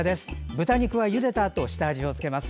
豚肉はゆでたあと下味をつけます。